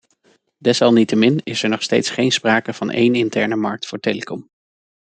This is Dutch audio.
Desalniettemin is er nog steeds geen sprake van één interne markt voor telecom.